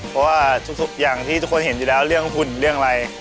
เพราะว่าทุกอย่างที่ทุกคนเห็นอยู่แล้วเรื่องหุ่นเรื่องอะไร